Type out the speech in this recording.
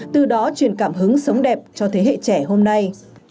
từ đó truyền cảm hứng sống đẹp cho thế hệ trẻ hôm nay